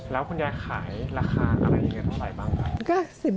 แล้วคุณยายขายราคาอะไรเยี่ยงเท่าไหร่บ้างครับ